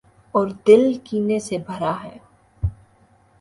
اوردل کینے سے بھراہے۔